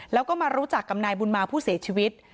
แล้วก็มารู้จักกับนายบุญมาผู้เสียชีวิต